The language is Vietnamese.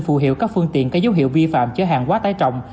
phụ hiệu các phương tiện có dấu hiệu vi phạm chứa hàng quá tải trọng